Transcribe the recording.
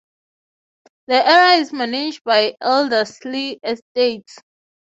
The area is managed by Elderslie Estates.